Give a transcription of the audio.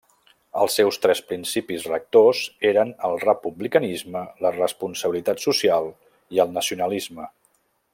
Els seus tres principis rectors eren el republicanisme, la responsabilitat social i el nacionalisme.